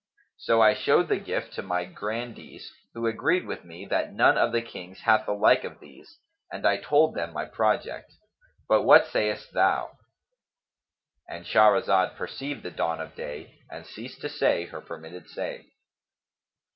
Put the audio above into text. So I showed the gift to my grandees, who agreed with me that none of the Kings hath the like of these and I told them my project. But what sayst thou?"—And Shahrazad perceived the dawn of day and ceased to say her permitted say.